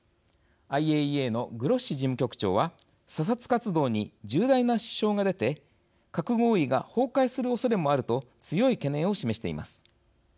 ＩＡＥＡのグロッシ事務局長は「査察活動に重大な支障が出て核合意が崩壊するおそれもある」と強い懸念を示しています。